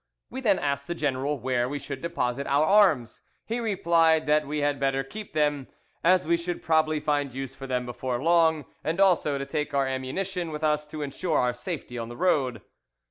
We then asked the general where we should deposit our arms; he replied, that we had better keep them, as we should probably find use for them before long, and also to take our ammunition with us, to ensure our safety on the road.